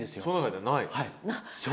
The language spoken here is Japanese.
はい。